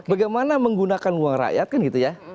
bagaimana menggunakan uang rakyat kan gitu ya